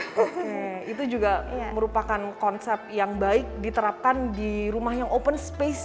oke itu juga merupakan konsep yang baik diterapkan di rumah yang open space